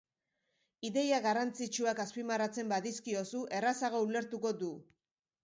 Ideia garrantzitsuak azpimarratzen badizkiozu, errazago ulertuko du.